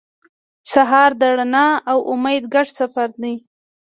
سهار د رڼا او امید ګډ سفر دی.